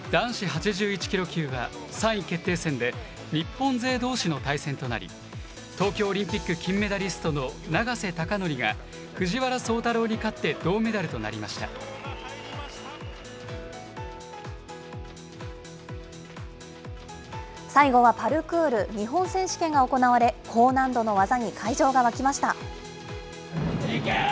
男子８１キロ級は３位決定戦で日本勢どうしの対戦となり、東京オリンピック金メダリストの永瀬貴規が藤原崇太郎に勝って銅メ最後はパルクール、日本選手権が行われ、高難度の技に会場が沸きました。